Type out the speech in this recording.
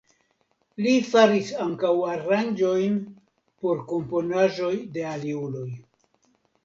Li faris ankaŭ aranĝojn por komponaĵoj de aliuloj.